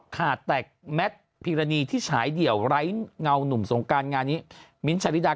ขาดแต่แมทพิรณีที่ฉายเดี่ยวไร้เงาหนุ่มสงการงานนี้มิ้นท์ชาลิดา